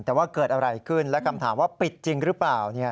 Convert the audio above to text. แต่ว่าเกิดอะไรขึ้นและคำถามว่าปิดจริงหรือเปล่า